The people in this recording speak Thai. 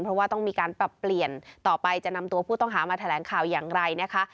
เพราะว่าต้องมีการปรับเปลี่ยนต่อไปจะนำตัวผู้ต้องหามาแถลงข่าวอย่างไรนะคะ